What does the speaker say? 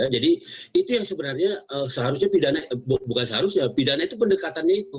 jadi itu yang sebenarnya seharusnya pidana bukan seharusnya pidana itu pendekatannya itu